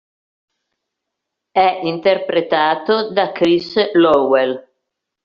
È interpretato da Chris Lowell.